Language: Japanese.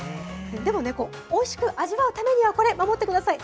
でもね、おいしく味わうためには、これ、守ってください。